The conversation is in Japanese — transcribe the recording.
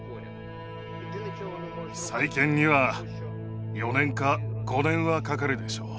再建には４年か５年はかかるでしょう。